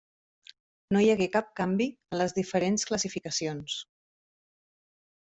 No hi hagué cap canvi en les diferents classificacions.